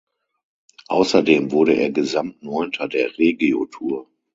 Außerdem wurde er Gesamtneunter der Regio Tour.